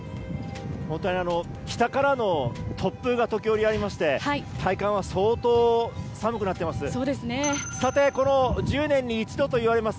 本当に下からの突風が時折ありまして体感は相当、寒くなっています。